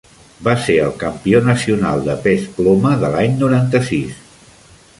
Va ser el campió nacional de pes ploma de l'any noranta-sis.